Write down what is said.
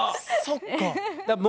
そっか。